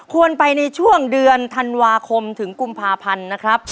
ควรไปในช่วงเดือนธันวาคมถึงกุมภาพันธ์นะครับ